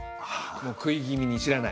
もう食い気味に知らない。